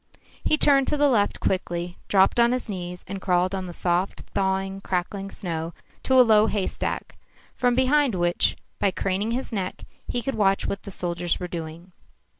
He turned to the left quickly, dropped on his knees, and crawled on the soft, thawing, crackling snow to a low haystack, from behind which, by craning his neck, he could watch what the soldiers were doing.